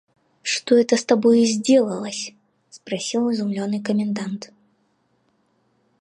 – Что это с тобою сделалось? – спросил изумленный комендант.